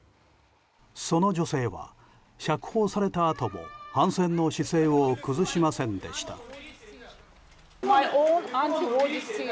その女性は釈放されたあとも反戦の姿勢を崩しませんでした。